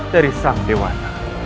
dari sang dewan